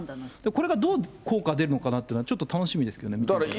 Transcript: これがどう効果が出るのかなというのは、ちょっと楽しみですけどね。